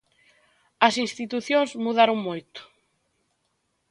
As institucións mudaron moito.